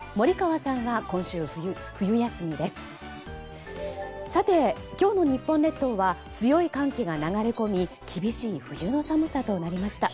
さて、今日の日本列島は強い寒気が流れ込み厳しい冬の寒さとなりました。